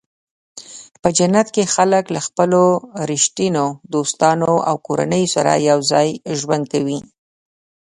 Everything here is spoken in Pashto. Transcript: په جنت کې خلک له خپلو رښتینو دوستانو او کورنیو سره یوځای ژوند کوي.